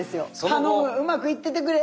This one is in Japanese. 頼むうまくいっててくれ。